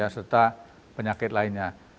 serta penyakit lainnya